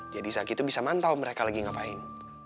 jadi zaki tuh bisa mantau mereka lagi ngapain